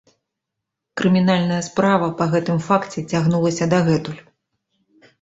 Крымінальная справа па гэтым факце цягнулася дагэтуль.